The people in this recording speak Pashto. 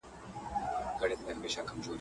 هم له غله هم داړه مار سره یې کار وو.